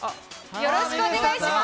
よろしくお願いします。